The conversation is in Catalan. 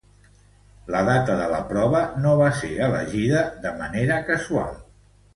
La data de la prova no va ser elegida de manera casual.